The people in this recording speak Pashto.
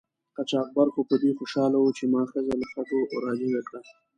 قاچاقبر خو په دې خوشحاله و چې ما ښځه له خټو را جګه کړه.